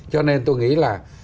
cho nên tôi nghĩ là